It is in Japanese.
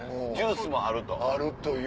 ジュースもあると。